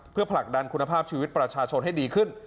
เพื่อผลักดันคุณภาพชีวิตประชาชนให้ดีขึ้น